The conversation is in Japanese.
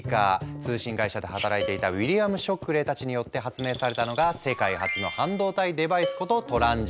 通信会社で働いていたウィリアム・ショックレーたちによって発明されたのが「世界初の半導体デバイス」こと「トランジスタ」。